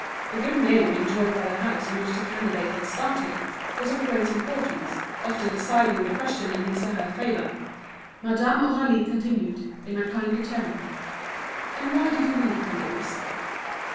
The good name enjoyed by the house in which the candidate had started was of great importance, often deciding the question in his or her favour. Madame Aurélie continued, in a kinder tone: "And why did you leave Cornaille's?"